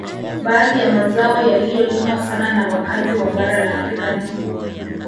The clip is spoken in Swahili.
Baadhi ya mazao yaliyolimwa sana na wakazi wa bara la Afrika ni